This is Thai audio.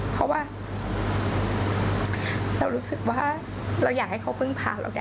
เพราะว่าเราอยากให้เขาพึ่งผ่าเราได้